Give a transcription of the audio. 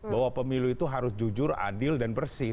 bahwa pemilu itu harus jujur adil dan bersih